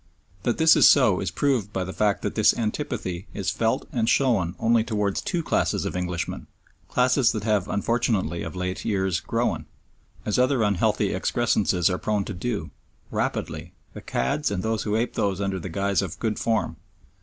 That this is so is proved by the fact that this antipathy is felt and shown only towards two classes of Englishmen: classes that have unfortunately of late years grown as other unhealthy excrescences are prone to do rapidly, the cads and those who ape these under the guise of "good form."